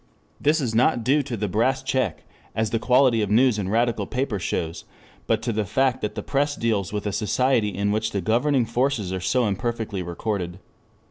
This is not due to the Brass Check, as the quality of news in radical papers shows, but to the fact that the press deals with a society in which the governing forces are so imperfectly recorded.